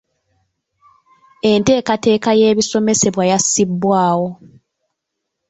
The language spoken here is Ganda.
Enteekateeka y’ebisomesebwa yassibwawo.